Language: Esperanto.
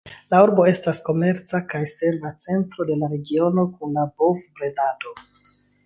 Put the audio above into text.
La urbo estas komerca kaj serva centro de la regiono kun la bov-bredado.